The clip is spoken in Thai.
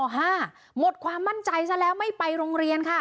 หมดความมั่นใจซะแล้วไม่ไปโรงเรียนค่ะ